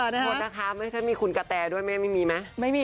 โทษนะคะไม่ใช่มีคุณกะแตด้วยแม่ไม่มีไหม